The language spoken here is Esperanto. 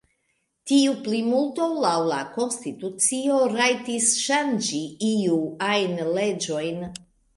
Tiu plimulto laŭ la konstitucio rajtis ŝanĝi iu ajn leĝojn.